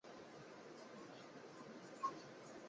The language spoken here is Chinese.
拉穆人口变化图示